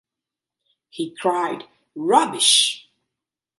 He cried Rubbish!